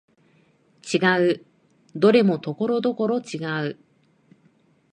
違う、どれもところどころ違う